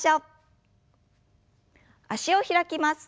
脚を開きます。